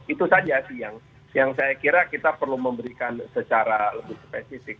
itu saja sih yang saya kira kita perlu memberikan secara lebih spesifik